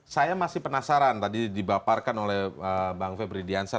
saya masih penasaran tadi dibaparkan oleh bang febri diansyah